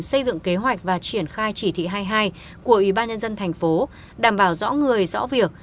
xây dựng kế hoạch và triển khai chỉ thị hai mươi hai của ubnd tp đảm bảo rõ người rõ việc